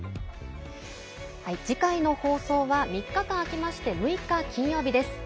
次回の放送は３日間あきまして６日、金曜日です。